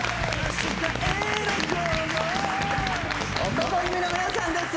男闘呼組の皆さんです